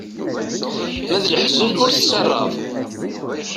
Ma d leḥzen ur tettaraḍ.